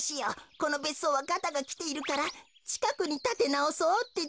このべっそうはガタがきているからちかくにたてなおそうってだけなのに。